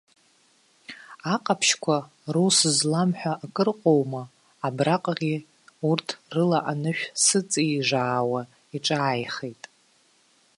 Аҟаԥшьқәа рус злам ҳәа акрыҟоума, абраҟагьы урҭ рыла анышә сыҵижаауа иҿааихеит.